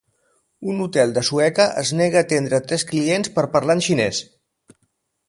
Un hotel de Sueca es nega a atendre tres clientes per parlar en xinès.